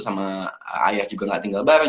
sama ayah juga gak tinggal bareng